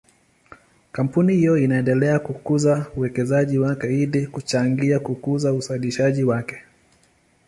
Kampuni hiyo inaendelea kukuza uwekezaji wake ili kuchangia kukuza uzalishaji wake.